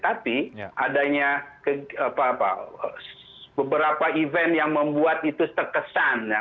tapi adanya beberapa event yang membuat itu terkesan